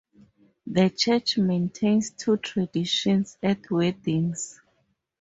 The church maintains two traditions at weddings.